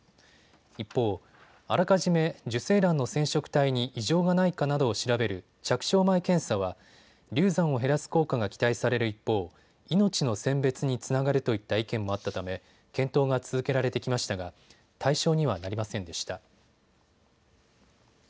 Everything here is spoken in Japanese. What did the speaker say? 一方、あらかじめ受精卵の染色体に異常がないかなどを調べる着床前検査は流産を減らす効果が期待される一方、命の選別につながるといった意見もあったため検討が続けられてきましたが対象にはなりませんでした。